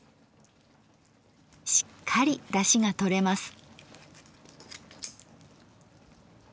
しっかりダシがとれます。